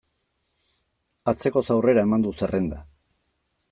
Atzekoz aurrera eman du zerrenda.